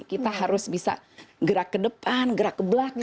kita harus bisa gerak ke depan gerak ke belakang